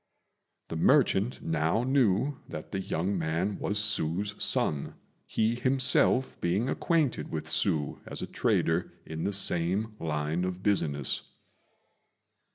The merchant now knew that the young man was Hsü's son, he himself being acquainted with Hsü as a trader in the same line of business.